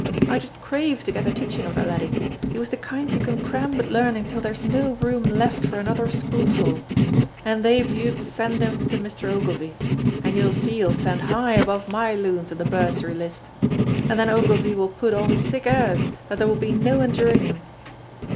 I just craved to get the teaching of that laddie, he was the kind you can cram with learning till there's no room left for another spoonful, and they bude send him to Mr. Ogilvy, and you'll see he'll stand high above my loons in the bursary list. And then Ogilvy will put on sic airs that there will be no enduring him.